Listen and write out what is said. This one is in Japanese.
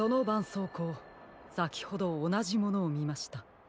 そうこうさきほどおなじものをみました。